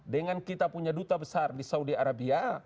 dengan kita punya duta besar di saudi arabia